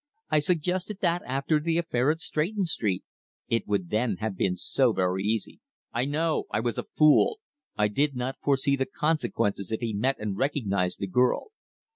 "I suggested that after the affair at Stretton Street. It would then have been so very easy." "I know! I was a fool! I did not foresee the consequences if he met and recognized the girl.